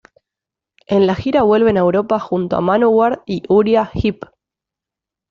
En la gira vuelven a Europa junto a Manowar y Uriah Heep.